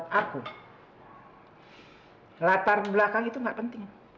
buat aku latar belakang itu enggak penting